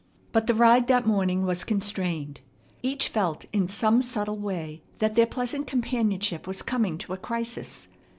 But the ride that morning was constrained. Each felt in some subtle way that their pleasant companionship was coming to a crisis.